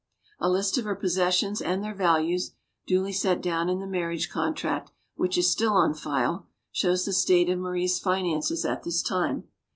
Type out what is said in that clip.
A list of her possessions and their values duly set down in the marriage contract, which is still on file shows the state of Marie's finances at this time.